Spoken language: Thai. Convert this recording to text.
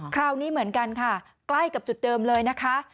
คราวนี้เหมือนกันค่ะใกล้กับจุดเดิมเลยนะคะ